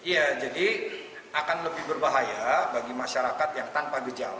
ya jadi akan lebih berbahaya bagi masyarakat yang tanpa gejala